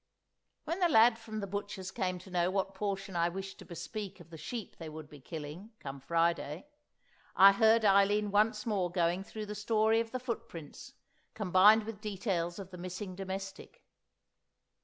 When the lad from the butcher's came to know what portion I wished to bespeak of the sheep they would be killing, come Friday, I heard Eileen once more going through the story of the footprints, combined with details of the missing domestic.